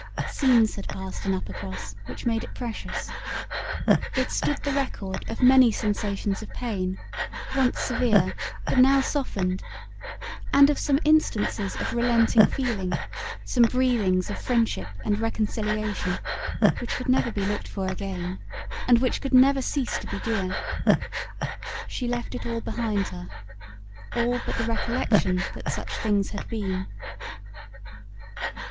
Scenes had passed in Uppercross which made it precious. It stood the record of many sensations of pain, once severe, but now softened; and of some instances of relenting feeling, some breathings of friendship and reconciliation, which could never be looked for again, and which could never cease to be dear. She left it all behind her, all but the recollection that such things had been.